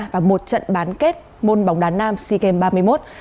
và một trận bán kết môn bóng đá nam sea games ba mươi một